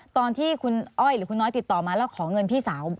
ตอนที่คุณอ้อยหรือคุณน้อยติดต่อมาแล้วขอเงินพี่สาว